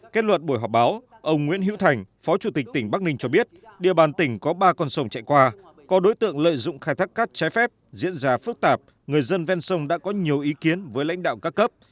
kết luận buổi họp báo ông nguyễn hữu thành phó chủ tịch tỉnh bắc ninh cho biết địa bàn tỉnh có ba con sông chạy qua có đối tượng lợi dụng khai thác cát trái phép diễn ra phức tạp người dân ven sông đã có nhiều ý kiến với lãnh đạo các cấp